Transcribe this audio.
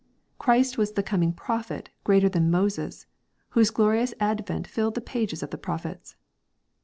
Christ was the coming Prophet greater than Moses, whose glorious advent filled the pages of prophets.